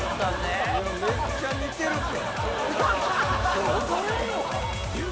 めっちゃ似てるって！